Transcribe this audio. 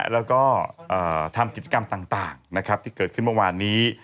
แล้วก็ทำกิจกรรมต่างนะครับที่เกิดขึ้นเมื่อวานนี้